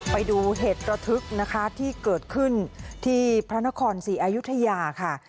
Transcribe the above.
ไปดูเหตุระทึกนะคะที่เกิดขึ้นที่พระนครศรีอายุทยาค่ะ